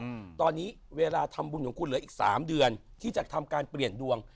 อืมตอนนี้เวลาทำบุญของคุณเหลืออีกสามเดือนที่จะทำการเปลี่ยนดวง